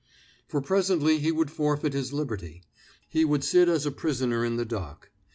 For presently he would forfeit his liberty; he would sit as a prisoner in the dock.